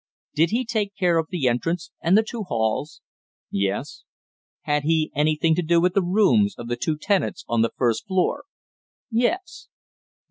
Did he take care of the entrance and the two halls? Yes. Had he anything to do with the rooms of the two tenants on the first floor? Yes.